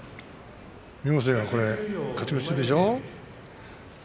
明生は勝ち越しでしょう？